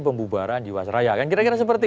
pembubaran jiwa seraya kira kira seperti